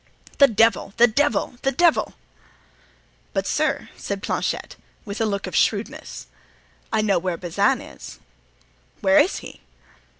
"The devil! the devil! the devil!" "But, sir," said Planchet, with a look of shrewdness, "I know where Bazin is." "Where is he?"